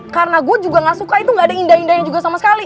karena gue juga gak suka itu gak ada indah indahnya juga sama sekali